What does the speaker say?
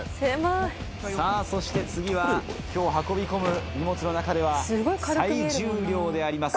さぁそして次は今日運び込む荷物の中では最重量であります